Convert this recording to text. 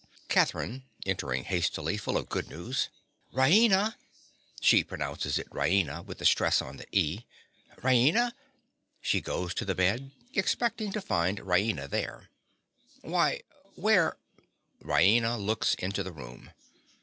CATHERINE. (entering hastily, full of good news). Raina—(she pronounces it Rah eena, with the stress on the ee) Raina—(she goes to the bed, expecting to find Raina there.) Why, where—(_Raina looks into the room.